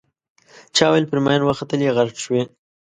چا ویل پر ماین وختلې غرق شوې.